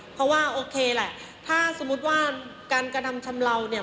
เพราะว่าโอเคแหละถ้าสมมุติว่าการกระทำชำเลาเนี่ย